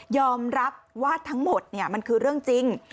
อมรับว่าทั้งหมดมันคือเรื่องจริง